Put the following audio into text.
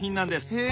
へえ！